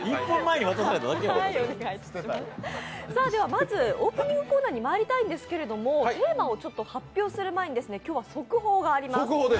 まず、オープニングコーナーにまいりたいんですけど、テーマを発表する前に今日は速報があります。